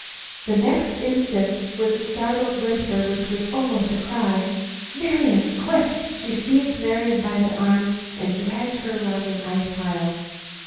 The next instant, with a startled whisper, which was almost a cry, "Marian! Quick!" she seized Marian by the arm and dragged her around an ice pile.